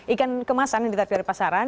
ikan kemasan yang ditarik dari pasaran